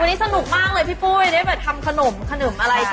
วันนี้สนุกมากเลยพี่ปุ้ยได้แบบทำขนมขนมอะไรกันอร่อยด้วย